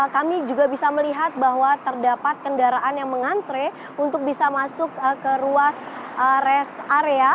kami juga bisa melihat bahwa terdapat kendaraan yang mengantre untuk bisa masuk ke ruas rest area